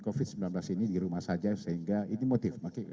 covid sembilan belas ini di rumah saja sehingga ini motif